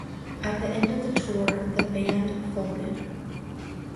At the end of the tour, the band folded.